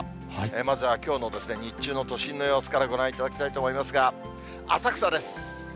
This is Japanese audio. まずはきょうの日中の都心の様子からご覧いただきたいと思いますが、浅草です。